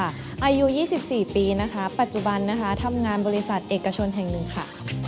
อายุ๒๔ปีนะคะปัจจุบันนะคะทำงานบริษัทเอกชนแห่งหนึ่งค่ะ